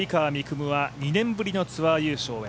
夢は２年ぶりのツアー優勝へ。